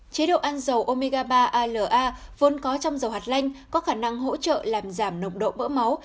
chế độ ăn dầu omega ba ala vốn có trong dầu hạt lanh có khả năng hỗ trợ làm giảm nộng độ bỡ máu